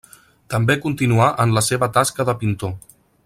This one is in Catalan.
També continuà en la seva tasca de pintor.